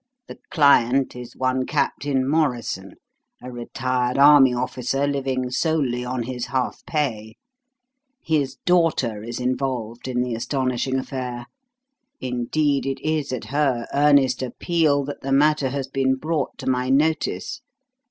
The client is one Captain Morrison, a retired Army officer living solely on his half pay. His daughter is involved in the astonishing affair. Indeed, it is at her earnest appeal that the matter has been brought to my notice.